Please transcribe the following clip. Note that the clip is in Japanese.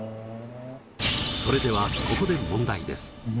それではここで問題です！